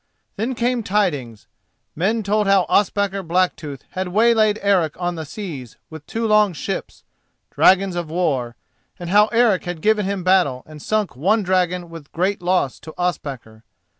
Then came tidings. Men told how Ospakar Blacktooth had waylaid Eric on the seas with two long ships, dragons of war, and how Eric had given him battle and sunk one dragon with great loss to Ospakar.